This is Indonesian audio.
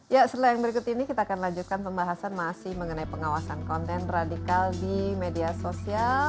ya setelah yang berikut ini kita akan lanjutkan pembahasan masih mengenai pengawasan konten radikal di media sosial